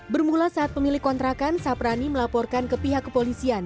bermula saat pemilik kontrakan saprani melaporkan ke pihak kepolisian